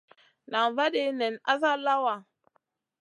Nan vaadia nen asa lawa.